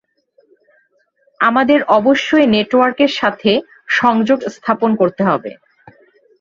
আমাদের অবশ্যই নেটওয়ার্কের সাথে সংযোগ স্থাপন করতে হবে।